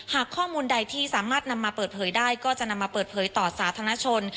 หากข้อมูลใดที่สามารถนำมาเปิดเผยได้ก็จะนำมาเปิดเผยต่อสาธารณชน